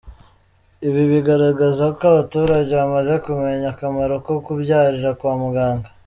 Ibi bigaragaza ko abaturage bamaze kumenya akamaro ko kubyarira kwa muganga.